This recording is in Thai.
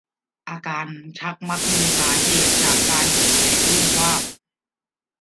อาการชักมักมีสาเหตุจากการเห็นแสงวูบวาบ